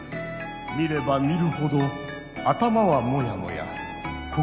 見れば見るほど頭はモヤモヤ心もモヤモヤ。